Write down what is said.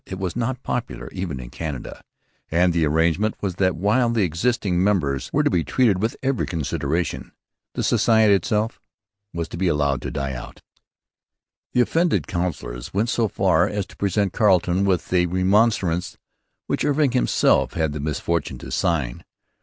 It was not popular even in Canada. And the arrangement was that while the existing members were to be treated with every consideration the Society itself was to be allowed to die out. The offended councillors went so far as to present Carleton with a remonstrance which Irving himself had the misfortune to sign.